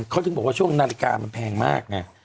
เขาถึงบอกว่าช่วงนาฬิกามันแพงมากไง